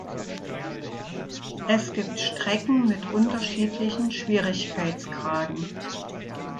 Es gibt Strecken mit unterschiedlichen Schwierigkeitsgraden.